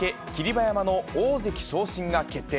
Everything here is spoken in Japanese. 馬山の大関昇進が決定。